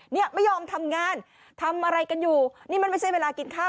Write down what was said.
เนี่ยไม่ยอมทำงานทำอะไรกันอยู่นี่มันไม่ใช่เวลากินข้าว